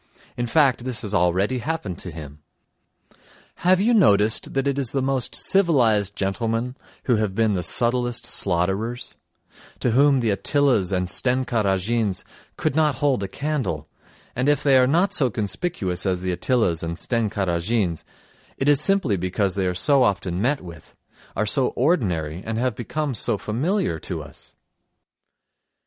In fact, this has already happened to him. Have you noticed that it is the most civilised gentlemen who have been the subtlest slaughterers, to whom the Attilas and Stenka Razins could not hold a candle, and if they are not so conspicuous as the Attilas and Stenka Razins it is simply because they are so often met with, are so ordinary and have become so familiar to us.